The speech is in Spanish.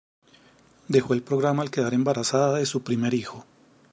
Dejó el programa al quedar embarazada de su primer hijo.